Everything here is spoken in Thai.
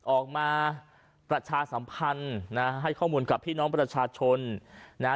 ออกมาประชาสัมพันธ์นะฮะให้ข้อมูลกับพี่น้องประชาชนนะฮะ